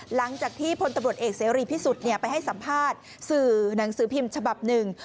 หลังจากที่พลตำรวจเอกเสรีพิสุทธิ์ไปให้สัมภาษณ์สื่อหนังสือพิมพ์ฉบับหนึ่ง